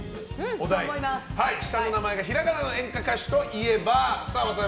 お題、下の名前がひらがなの演歌歌手といえば？